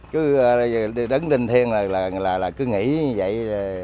cứ đứng đinh thiên là cứ nghĩ như vậy